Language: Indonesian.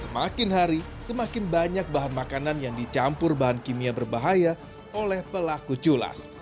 semakin hari semakin banyak bahan makanan yang dicampur bahan kimia berbahaya oleh pelaku culas